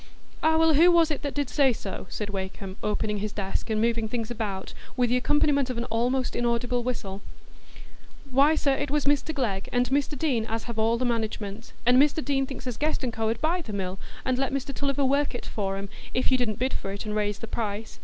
"Ah, well, who was it that did say so?" said Wakem, opening his desk, and moving things about, with the accompaniment of an almost inaudible whistle. "Why, sir, it was Mr Glegg and Mr Deane, as have all the management; and Mr Deane thinks as Guest &Co. 'ud buy the mill and let Mr Tulliver work it for 'em, if you didn't bid for it and raise the price.